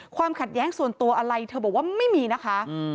ความขัดแย้งส่วนตัวอะไรเธอบอกว่าไม่มีนะคะ